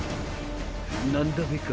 何だべか？